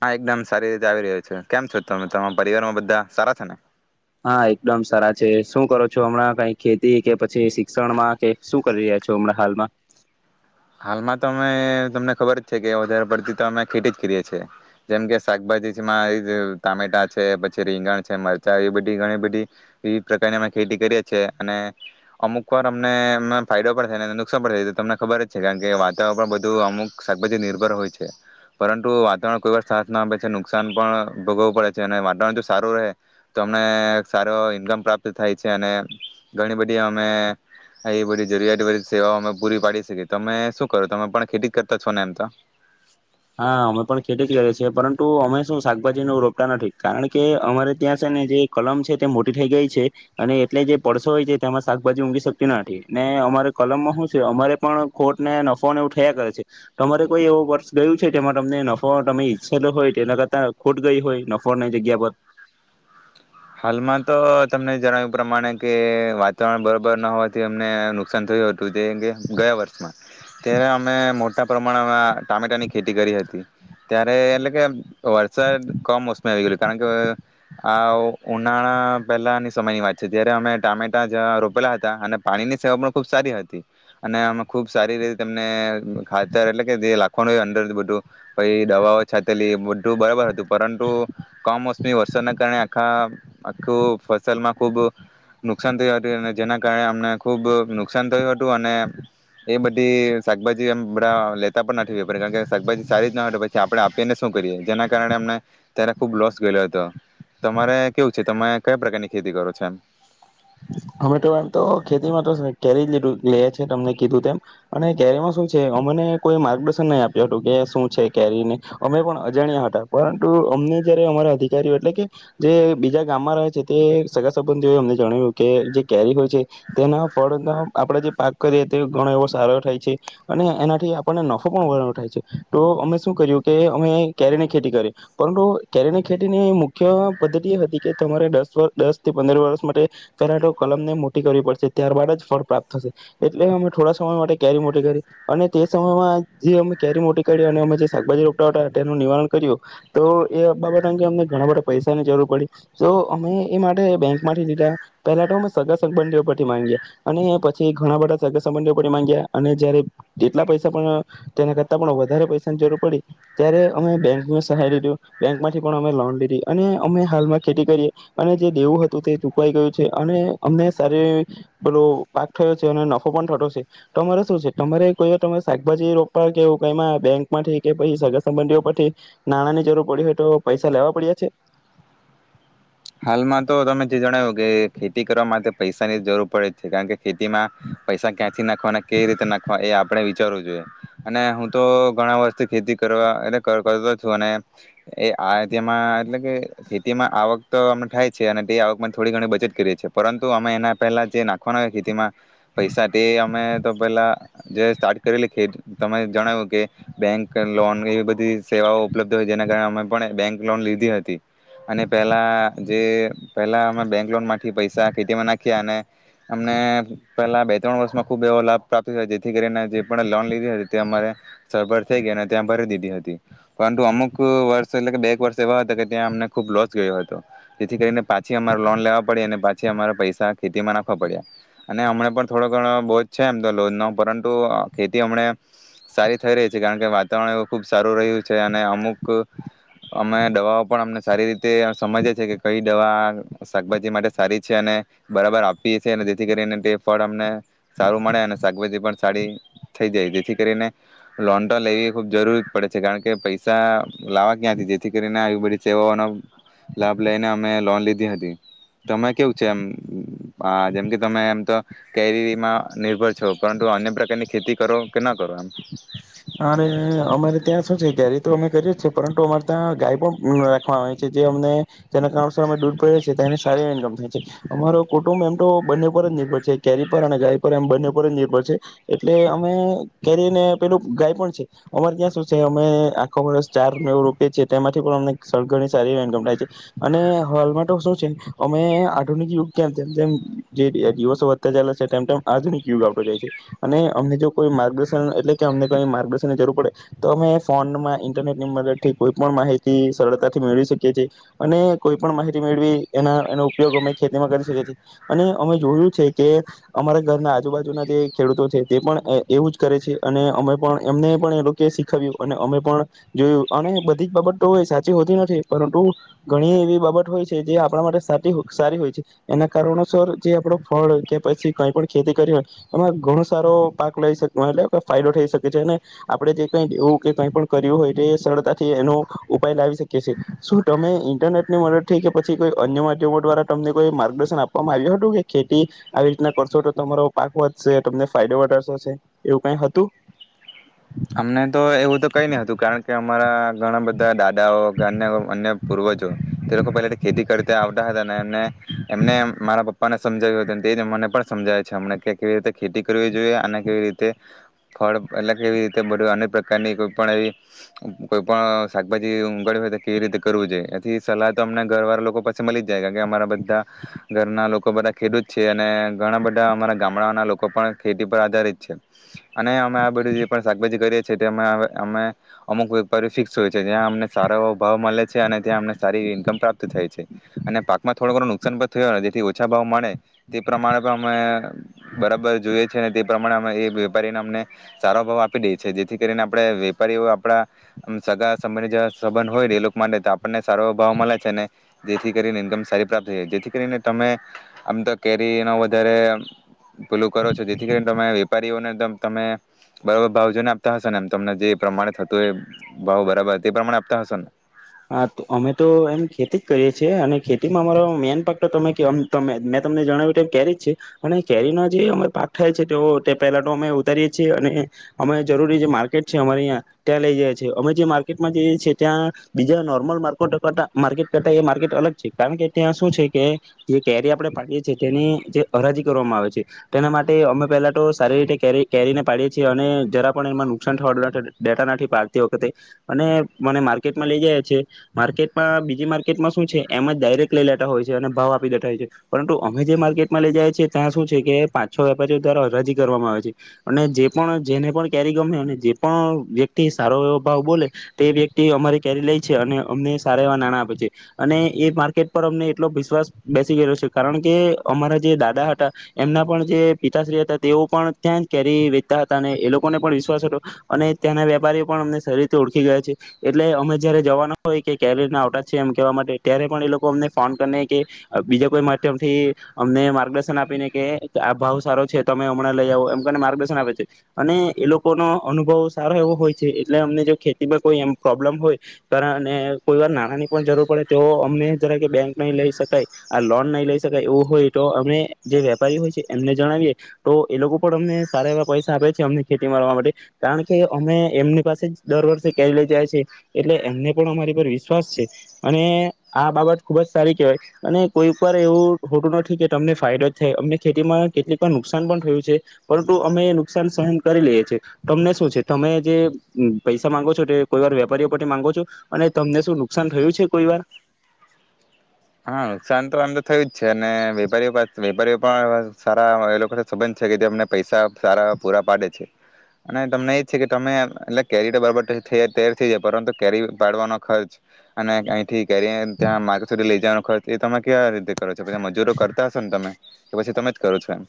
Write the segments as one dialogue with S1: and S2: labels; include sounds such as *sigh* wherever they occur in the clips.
S1: હા એકદમ સારી રીતે આવી રહ્યો છે કેમ છો તમે તમારા પરિવારમાં બધા સારા છે ને?
S2: હા એકદમ સારા છે શું કરો છો હમણાં કઈ ખેતી કે પછી શિક્ષણમાં કે શું કરી રહ્યા છો હમણાં હાલમાં?
S1: હાલમાં તો અમે તમને ખબર જ છે કે વધારે પડતી તો અમે ખેતી જ કરીએ છીએ, જેમ કે શાકભાજી ટામેટા છે પછી રીંગણ છે મરચાં એ બધી ઘણી બધી એ પ્રકારની અમે ખેતી કરીએ છીએ, અને અમુક વાર અમને અ ફાયદો પણ થાયને નુકસાન પણ થાય, તો તમને ખબર જ છે કારણ કે વાતાવરણ પણ બધું અમુક શાકભાજી નિર્ભર હોય છે પરંતુ વાતાવરણ કોઈ વાર સાસ ના પે છે નુકસાન પણ ભોગવું પડે છે અને વાતાવરણ જો સારું રહે તો અમને સારો ઈન્કમ પ્રાપ્ત થાય છે અને ઘણી બધી અમે એ બધી જરૂરિયાત બધી સેવાઓ અમે પૂરી પાડી શકીએ છીએ. તમે શું કરો તમે પણ ખેતી કરતા છો ને. એમ તો
S2: હા અમે પણ ખેટ જ કરએ છીએ પરંતુ અમે શું શાકભાજી ન રોપતા નથી, કારણ કે અમારે ત્યાં છે ને જે કલમ છે, તે મોટી થઈ ગઈ છે અને એટલે જે પડસો હોય છે, તેમાં શાકભાજી ઊઘી શકતી નથી ને અમારે કલમમાં શું છે, અમારે પણ ખોટ ને નફોને એવું થયા કરે છે, તો અરે કોઈ એવો વર્ષ ગયું છે તેમાં તમને નફા તમે ઈચ્છ હોય તેના કરતા ખોટ ગઈ હોય નફોની જગ્યા પર
S1: હાલમાં તો તમને જણાવ્યું પ્રમાણે કે વાતાવરણ બરોબર ન હોવાથી અમને નુકસાન થયું હતું તે કે ગયા વર્ષમાં ત્યારે અમે મોટા પ્રમાણમાં ટામેટાની ખેતી કરી હતી ત્યારે એટલે કે વરસાદ કમ મોસમી આવી ગયું કારણ કે આ ઉનાળા પહેલાંની સમયની વાત છે જ્યારે અમે ટામેટા જં રોપેલા હતા અને પાણીની સેવા પણ ખૂબ સારી હતી, અને અમે ખૂબ સારી રીતે તમને ખાતર એટલે કે જે લાખવાનુંય અંદર બધું, પછ દવાઓ છાતેલી એ બધું બરાબર હતું, પરંતુ કમોસમી વરસાદના કારણે આખા આખું ફસલમાં ખુબ, નુકસાન થયું હતું અને, જેના કારણે અમને ખુબ નુકસાન થયું હતું અને એ બધી શાકભાજી બધા લેતા પણ નથી વપરી કારણ કે શાકભાજી સારી જ ના પછી આપડણે આપીને શું કરીએ જેના કારણે અમને ત્યારે ખુબ લોસ ગયેલો હતો, તમારે કેવું છે તમે કયા પ્રકારની ખેતી કરો છો એમ?
S2: અમે તો એમ તો ખેતીમાં તો કેરી લીધું લે છે તમને કીધું તેમ, અને કેરીમાં શું છે અમને કોઈ માર્ગદર્શન નહી આપ્યું હતું કે શું છે કેરીને અમે પણ અજાણ્યા હતા, પરંતુ અમને જયારે અમારા અધિકારીઓ એટલે કે જે બીજા ગામમાં રહે છે, તે સગા સંબંધીઓએ અમને જણાવ્યું. કે જે કેરી હોય છે તેના ફળનો આપણે જે પાક કરીએ તે ઘણો એવો સારો થાય છે, અને એનાથી આપણને નફો પણ વધ થાય છે, તો અમે શું કર્યું કે અમે કેરીની ખેતી કરીએ પરંતુ કેરીની ખેતીની મુખ્ય પદ્ધતિ એ હતી કે તમારે દસ દસ પંદર વર્ષ માટે પેલા તો કલમને મોટી કરવી પડશે ત્યારબાદ જ ફળ પ્રાપ્ત થશે, એટલે અમે થોડા સમય માટે કેરી મોટી કરી અને તે સમયમાં જે અમે કેરી મોટી કાઢી અને અમે જે શાકભાજી રોપટ તેનું નિવારણ કર્યું તો એ બાબત અંગે અમને ઘણા બધા પૈસાની જરૂર પડી તો અમે એ માટે બેંક માંથી લીધા. પહેલા તો અમે સગા સંબંધીઓ પરથી માંગ્યા, અને પછી ઘણા બધા સગા સંબંધીઓ પરથી માંગ્યા અને જયારે જેટલા પૈસા પણ તેના કરતા પણ, વધારે પૈસાની જરૂર પડી ત્યારે અમે બેંકને સહાય લીધું બેંક માંથી પણ અમે લોન લીધી અને અમે હાલમાં ખેતી કરીએ, અને જે દેવું હતું તે ચૂકવાઈ ગયું. અને અમને સારી, બલો પાક થયો છે અને નફો પણ થતો છે, તમારે શું છે તમારે કોઈ વા શાકભાજી રોપવા કે ક બેંકમાંથી કે પછ સગા સંબંધીઓ પરથી, નાણાંની જરૂર પડી હોય તો પૈસા લેવા પડ્યા છે?
S1: હાલમાં તો તમે જે જણાવ્યું કે ખેતી કરવા માટે પૈસાની જરૂર પડે છે કારણ કે ખેતીમાં પૈસા ક્યાંથી નાખવાો અને કઈ રીતે નાખો એ આપડે રવ જોઈએ અને હું તો ઘણા વર્ષથી ખેતી કરવા એટલે કરતો છું અને એ આ તેમાં એટલે કે ખેતીમાં આવક. તો અમને થાય છે અને તે આવકમાં થોડી ઘણી બચેત કરીએ છીએ પરંતુ અમે એના પહેલા જે નાખવા હો ખેતીમાં. પૈસા તે અમે. પેલા જે સ્ટાર કરેલી ત જણાવ્યું કે બેંક લોન એવી બધી સેવાઓ ઉપલબ્ધ હોય જેના કારણે અમે પણ બેંક લોન લીધી હતી અને પ પહેલા જે પહેલા અમે બેંક લોન માંથી પૈસા ખેટીમાં નાખ્યા, અને અમને પેલા બે ત્રણ વર્ષમાં ખુબ એવો લાભ પ્રાપ્ત જેથી કરીને જે પણ લોન લીધી હતી તે અમારે સરભર થઇ ગયા અને ત્યાં ભરી દીધી હતી, પરંતુ અમુક વર્ષ એટલે કે બે એક વર્ષ એવા હતા કે ત્યાં અમને ખૂબ લોસ. ગયો હતો જેથી કરીને પાછી અમારે લોન લેવા પડી અને પાછી અમારા પૈસા ખેતીમાં નાખવા પડ્યા, અને હમને પણ થોડો ઘણો બોજ છે એમ તો લોન નો પરંતુ ખેતી અમને સારી થઈ રહી છે કારણ કે વાતાવરણ એવ ખુબ સારું રહ્યું છે અને અમુક અમે દવાઓ પણ અમને સારી રી સમજે છે કે કઈ દવા શાકભાજી માટે સારી છે અને બરાબર આપી છે અને જેથી કરીને તે ફળ અમને સારું મળે અને શાકભાજી પણ સારી થઈ જાય, જેથી કરીને લોન તો લેવી ખૂબ જરૂર પડે છે કારણ કે પૈસા લાવવા ક્યાંથી જેથી કરીને આવી બધી સેવાઓનો. લાભ લઈને અમે લોન લીધી હતી તમે કેવું છે એમ આ જેમ કે તમે એમ તો કેરીમાં નિર્ભર છો પરંતુ અન્ય પ્રકારની ખેતી કરો કે ના કરો એમ?
S2: અરે અમારે ત્યાં શું છે કેરી તો અમે કરીએ જ છે પરંતુ અમારે ત્યાં ગાય પણ રાખવા આવે છે, જે અમને જેના કારણસર અ દૂર પડ છી સ ઇમ થાય છે અમારો કુટુંબ એમ તો બંને પર જ નિર્ભર છે કેરી પર અને ગાય પર એમ બંને પરજ નિર્ભર છે એટલે અમે કેરીને પેલું ગાય પણ છે અમારે ક્યાં શું છે અમે આખો વર્ષ ચાર મેવો રોપ છી તેમાંથી પણ અમનેણી સારી ઈન્કમ થાય છે, અને હાલમાં તો શું છે અમે આધુનિક યુગ ક્યા જે દિવસો વધતા ચાલે છે તેમ તેમ આધુનિક યુગ આવટો જાય છે, અને અમને જો કોઈ માર્ગદર્શન એટ કે અમને કઈ માર્ગદર્શનની જરૂર પડે તો અમે ફોનમાં ઇન્ટરનેટ ની મદદ થી કોઈ પણ માહિતી સરળતાથી મેળવી શકીએ છીએ અને કોઈ પણ માહિતી મેળવી એના એનો ઉપયોગ અમે ખેતીમાં કરી શકીએ છીએ, અને અમે જોયું છે કે અમારા ઘરના આજુબાજુના જે ખેડૂતો છે તે પણ એવું જ કરે છે. અને અમે પણ એમને પણ એ લોકો શીખવ્યું અને અમે પણ જોયું અને બધી જ બાબત તો હોય સાચી હોતી નથી પરંતુ ઘણી એવી બાબત હોય છે જે આપણા માટે સાચ સારી હોય છે, એના કારણોસર જે આપણ ફળ કે પછી કઈ પણ ખેતી કરી હોય એમાં ઘણો સારો પાક લઈ શકીએ એટલે. ફાયદો થઈ શકે છે અને આપણે જે કઈ એવું કે કઈ પણ કર્યું હોય તે સરળતાથી એનો ઉપાય લાવી શકીએ છીએ. શું તમે ઇન્ટરનેટ ની મદદ થી કે પછી કોઈ અન્ય માધ્યમો દ્વારા તમને કોઈ માર્ગદર્શન આપવામાં આવ્યું હતું કે ખેતી આવી રીતના કરશો તો તમારો પાક વધશે તમને ફાયદો વધાો એવ કઈ હતું.
S1: અમને તો એવું તો કઈ ન હતું કારણ કે અમારા ઘણા બધા દાદાઓ કે અ અન્ય પૂર્વજો તે લોકો પેલા ખેતી કરતા આવતા હતા. એટલે એમને મારા પપ્પ પપ્પાને સમજાવ્યું હતું તે જ મને પણ સમજાયે છે, હમને કે કેવી રીતે ખેતી કરવી જોઈએ અને કેવી રીતે ફળ એટલે કેવી રી બધ અનેક પ્રકારની કોઈ પણ એવી કોઈ પણ શાકભાજી ગળવી હોય તો કેવી રીતે કરું જોઈએ, એથી સલાહ તો અમને ઘર વાળા લોકો પાસે મળી જ જાય કારણ કે અમારા બધા ઘરના લોકો બધા ખેડૂત છે, અને ઘણા બધા અમારા ગામડાના લોકો પણ ખેતી પર આધારિત છે અને અમે આ બધું. પણ શાકભાજી કરીએ છીએ તેમાં અમે અમુક વેપારી ફિક્સ હોય છે ત્યાં અમને સારો ભાવ મળે છે અને ત્યાં અમને સારી ઇન્કમ પ્રાપ્ત થાય છે, અને પાકમાં થોડો ઘણું નુકસાન પણ થયો જેથી ઓછા ભાવ મળે તે પ્રમાણે પણ અમે બરાબર જોઈએ છીએ, અને તે પ્રમાણે અમે એ વેપારીને અમને સારો ભાવ આપ જેથી કરીને આપણે વેપારીઓ આપડા સગા સંંધ સંબંધ હોય ને એ લોકો માટે તો આપણને સારો ભાવ મળે છે, ને જેથી કરીને ઇન્કમ સારી પ્રાપ્ત થઈ જાય જેથી કરીને તમે આમ તો કેરી ન વધારે પૂલું કરો છો જેથી કરીને તમે વેપારીઓને તમે બરોબર. ભાવજને આપતા હશે ને એમ તમને જે પ્રમાણે થતું હોય ભાવ બરાબર તે પ્રમાણે આપતા હશે ને?
S2: હા અમે તો એમ ખેતી જ કરીએ છીએ, અને ખેતીમાં અમારો મેન પાક તો તમે મેં તમને જણાવ્યું કેમ કેરી જ છે અને કેરીનો જે અ પાક થાય છે તે પહેલા તો અમે ઉતારીએ છીએ અને અમે જરૂરી જે માર્કેટ છે અમારે અહીંયા ત્યાં લઈ જઈએ છીએ અમે જે માર્કેટમાં જઈએ છીએ ત્યાં. બીજા નોર્મલ માર્ટ કરતા માર્કેટ કરતા એ માર્કેટ અલગ છે, કારણ કે ત્યાં શું છે કે જે કેરી આપણે પાડીએ છીએ તેની જે હરાજી કરવામાં આવે છે, તેના માટે અમે પહેલા તો સારી રીતે કેરી કેરીને પાડીએ છીએ અને જરા પણ એમાં નુકસાન થવા ડેટા ના પાડતી વખતે અને મને માર્કેટ માં લઈ જઈ છીએ માર્કેટ બીજી માર્કેટમાં શું છે એમ જ ડાયરેક્ટ લઈ લેતા હોય છે, અને ભાવ આપી દેતા હોય છે પરંતુ અમે જે માર્કેટમાં લઈ જઈ છીએ ત્યાં શું છે કે પાંચ છો વેપારીઓ દ્વારા રજી કરવામાં આવે છે, અને જે પણ જેને પણ કેરી ગમે અને જે પણ વ્યક્તિ સારો એવો ભાવ બોલે તે વ્યક્તિ અમારી. કેરી લઈ છે અને અમને સારા એવા નાણાં આપે છે, અને એ માર્કેટ પર અમને એટલો વિશ્વાસ બેસી ગયો છે કારણ કે અમારા જે દાદા હતા એમના પણ જે પિતાશ્રી હતા તેઓ પણ ત્યાં જ કેરી વેચતા હતા, અને એ લોકોને પણ વિશ્વાસ હતો અને ત્યાંના વેપારીઓ પણ અમને સારી રીતે ઓળખી ગયા છે એટલે અમે જયારે જવાનું હોય કે કેરીયર ના આવતા છે એમ કહેવા માટે ત્યારે પણ એ લોકો અમને ફોન કરીને કે બીજા કોઈ માધ્યમ થી અમને માર્ગદર્શન આપીને કે આ ભાવ સારો છે તમે હમણાં લઈ આવો, એમ કરીને માર્ગદર્શન આપે છે અને એ લોકોનો અનુભવ સારો એવો હોય છે એટલે અમને જો ખેતીમાં કોઈ એમ પ્રોબ્લમ હોય. કારણ કોઈ વાર નાણાં ની પણ જરૂર પડે તો અમને જરા કે બેંક નહી લઈ સકાય આ લોન નહી લઈ શકાય એવું હોય તો અમે જે વેપારી હોય છે, એમને જણાવીએ તો એ લોકો પણ અમને સારા એવા પૈસા આપે છે અમને ખેતી કરવાવા માટે કારણ કે અમે એમની પાસે જ દર વર્ષે કેરી લઈ જયા છીએ. એટલે એમને પણ અમારી પર વિશ્વાસ છે, અને આ બાબત ખુબ જ સારી કેહેવાય અને કોઈ પર એવું હોતું નથી કે તમને ફાયદો જ થાય અમને ખેતીમાં કેટલીક વાર નુકસાન પણ થયું છે, પરંતુ અમે નુકસાન સહન કરી લઈએ છીએ તમને શું છે તમે જે પૈસા માંગો છો કોઈ વાર વેપારીઓ. માંગો છો અને તમને શું નુકસાન થયું છે કોઈ વાર?
S1: હા નુકસાન તો આમ તો થયું જ છે અને વેપારીઓ પા વેપારીઓ પણ સારા એ લોકો સંબંધ છે, કે જે અમને પૈસા સારા પૂરા પાડે છે અને તમને એજ છે કે તમે એટલે કેરી તો બરાબર થ તર થઈ જાય પરંતુ કેરી પાડવાનો ખર્ચ. અને અહી ઠીક ત્યાં મા સુધી લઈ જવા. ખર્ચ એ તમે ક્યા રીતે કરો છો પછી મજૂરો કરતા હશો ને તમે કે પછી તમે જ કરો છો એમ?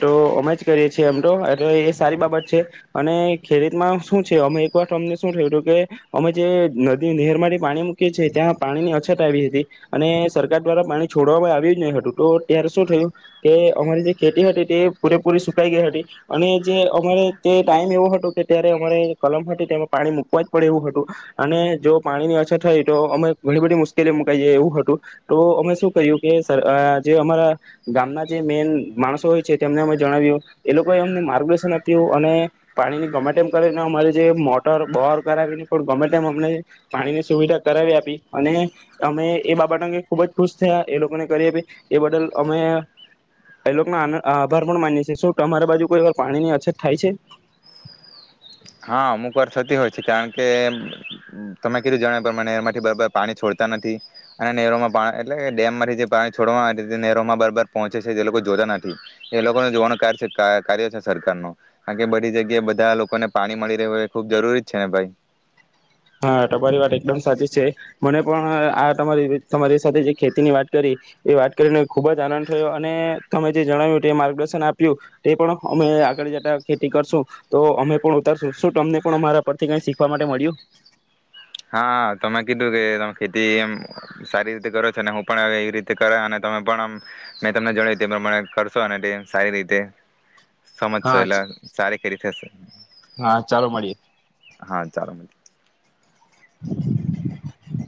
S2: તો અમે જ કરીએ છીએ એમ તો એટલે એ સારી બાબત છે અને ખેડતમાં શું છે, અમે એક વાર અમને શું થયું હતું કે અમે જે નદી નહેરમાંથી પાણી મૂકીએ છી ત્યાં પાણીની અછત આવી હતી અને સરકાર દ્વારા પાણી છોડવામાં આવ્યું જ નહી હતું તો ત્યારે શું થયું કે અમારી જે ખેતી હતી તે પૂરેપૂરી સુકાઈ ગઈ હતી, અને જે અમારે તે ટાઈમ એવો હતો કે ત્યારે અમારે કલમ હતી તેમાં પાણી મુકવા જ પડે એવું હતું, અને જો પાણીની અછત થઈ તો અમે ઘણી બધી મુશ્કેલી મુકાઈ જઈ એવું હતું તો અમે શું કર્યું કે જે અમારા ગામના જે મેન. માણસો હોય છે તેમને અમે જણાવ્યું એ લોકોએ અમને માર્ગદર્શન આપ્યું, અને પાણીને ગમે તેમ કરીને અમારે જે મોટર બહર કરાવીને પણ ગમે તેમ અમને પાણીની સુવિધા કરાવી આપી અને અમે એ બાબત અંગે ખુબ જ ખુશ થયા એ લોકોને કરી આપી એ બદલ અમે. એ લોકો આભાર પણ માનીએ છી શું તમારી બાજુ કોઈ વાર પાણીની અછત થાય છે?
S1: હા અમુક વાર થતી હોય છે કારણ કે તમે કીધું જણાવ પ્રમાણે નહેર માંથી બરાબર પાણી છોડતા નથી, અને નહેરોમાં એટલે કે ડેમ માંથી જે પાણી છોડવા માટે નહેરોમાં બરાબર પહોંચે છે જે લોકો જોતા નથી એ લોકો જોવાનું કાર કાર્ય છે સરકાર નો કારણ કે બધી જગ્યાએ બધા લોકોને. પાણી મળી રહ્યું હોય એ ખુબ જરૂરી છે ને ભાઈ.
S2: હા તમારી વાત એકદમ સાચી છે, મને પણ આ તમારી તમારી સાથે જે ખેતીની વાત કરી એ વાત કરીને ખુબ જ આનંદ થયો અને તમે જે જણાવ્યું તે માર્ગદર્શન આપ્યું તે પણ અમે આગળ જતા ખેતી કરશું તો અમે પણ ઉતારશું. શું તમને પણ અમારા પરથી કઈ શીખવા માટે મળ્યું?
S1: હા તમે કીધું કે તમે ખેતી એ સારી રીતે કરો છો, અને હું પણ એવી રીતે કર તમે પણ આમ મેં તમને જણાવ્યું તે પ્રમાણે કરશો સારી રીતે. સમજશો
S2: હા
S1: એટલા સારી. કેરી થશે.
S2: હા ચાલો મળીએે.
S1: હા ચાલો.
S2: *inaudible*